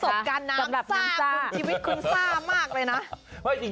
บการน้ำซ่าคุณชีวิตคุณซ่ามากเลยนะ